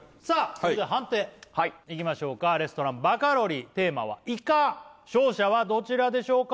それじゃ判定はいいきましょうかレストラン・バカロリーテーマはイカ勝者はどちらでしょうか？